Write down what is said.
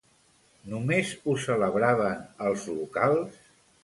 Només ho celebraven els locals?